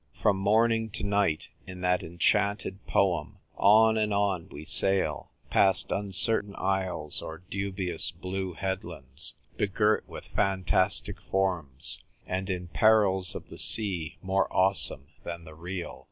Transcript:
From morning to night, in that enchanted poem, on and on we sail, past uncertain isles or dubious blue headlands, begirt with fan tastic forms, and in perils of the sea more awesome than the real.